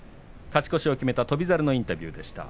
勝ち越しを決めた翔猿のインタビューでした。